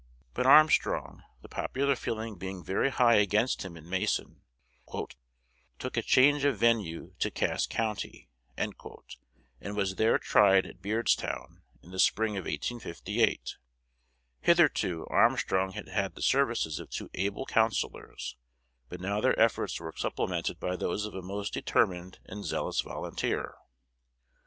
But Armstrong, the popular feeling being very high against him in Mason, "took a change of venue to Cass County," and was there tried (at Beardstown) in the spring of 1858. Hitherto Armstrong had had the services of two able counsellors, but now their efforts were supplemented by those of a most determined and zealous volunteer.